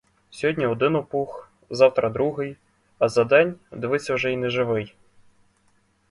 Сьогодні один опух, завтра — другий, а за день, дивись уже й неживий.